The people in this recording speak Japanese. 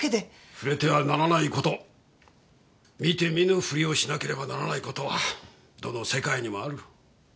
触れてはならない事見て見ぬふりをしなければならない事はどの世界にもある。